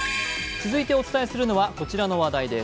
続いてお伝えするのはこちらの話題です。